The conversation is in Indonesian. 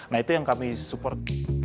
nah itu yang kami support